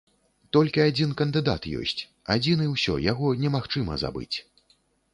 Толькі адзін кандыдат ёсць, адзін і ўсё, яго немагчыма забыць.